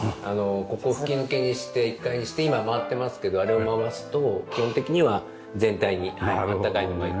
ここを吹き抜けにして１階にして今回ってますけどあれを回すと基本的には全体に暖かいのが行き渡ります。